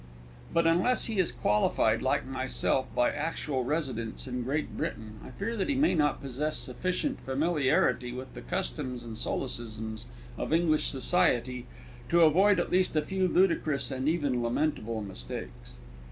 But, unless he is qualified, like myself, by actual residence in Great Britain, I fear that he may not possess sufficient familiarity with the customs and solecisms of English society to avoid at least a few ludicrous and even lamentable mistakes.